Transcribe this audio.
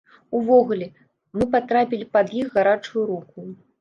Увогуле, мы патрапілі пад іх гарачую руку.